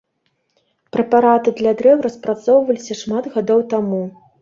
Прэпараты для дрэў распрацоўваліся шмат гадоў таму.